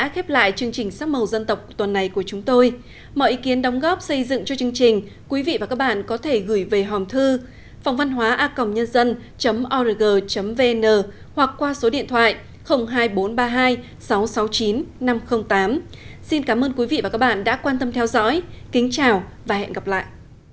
xin cảm ơn quý vị và các bạn đã quan tâm theo dõi kính chào và hẹn gặp lại